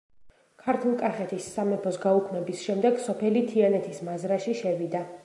ქართლ-კახეთის სამეფოს გაუქმების შემდეგ სოფელი თიანეთის მაზრაში შევიდა.